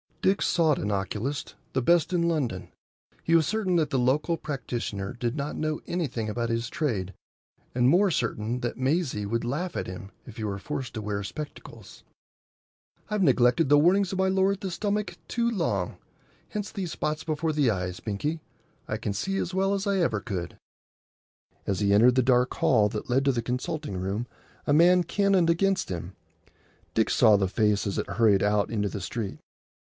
Dick sought an oculist,—the best in London. He was certain that the local practitioner did not know anything about his trade, and more certain that Maisie would laugh at him if he were forced to wear spectacles. "I've neglected the warnings of my lord the stomach too long. Hence these spots before the eyes, Binkie. I can see as well as I ever could." As he entered the dark hall that led to the consulting room a man cannoned against him. Dick saw the face as it hurried out into the street.